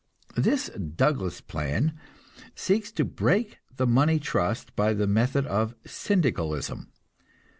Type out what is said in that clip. This "Douglas plan" seeks to break the Money Trust by the method of Syndicalism.